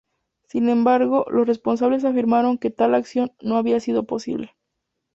Sin embargo, los responsables afirmaron que tal acción no había sido posible.